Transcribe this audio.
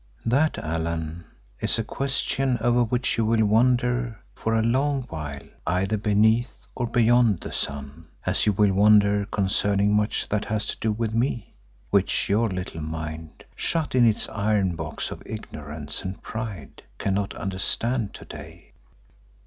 "That, Allan, is a question over which you will wonder for a long while either beneath or beyond the sun, as you will wonder concerning much that has to do with me, which your little mind, shut in its iron box of ignorance and pride, cannot understand to day.